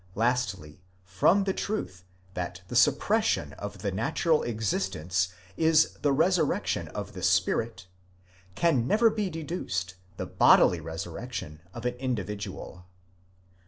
Lastly, from the truth, that the sup pression of the natural existence is the resurrection of the spirit, can never be deduced the bodily resurrection of an individual.